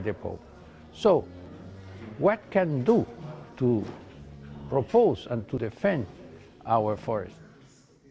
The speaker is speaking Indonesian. jadi apa yang bisa dilakukan untuk mempunyai dan melindungi hutan kita